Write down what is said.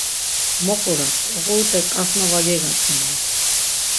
Mo qurapt, oqurute k̆asma va gegatzk̆enan.